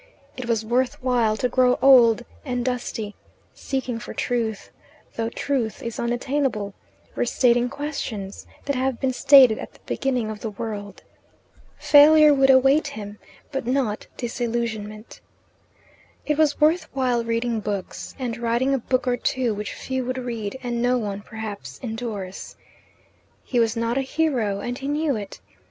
It was worth while to grow old and dusty seeking for truth though truth is unattainable, restating questions that have been stated at the beginning of the world. Failure would await him, but not disillusionment. It was worth while reading books, and writing a book or two which few would read, and no one, perhaps, endorse. He was not a hero, and he knew it.